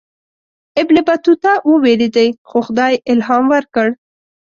ابن بطوطه ووېرېدی خو خدای الهام ورکړ.